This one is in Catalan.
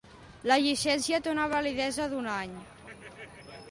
La llicència té una validesa d'un any.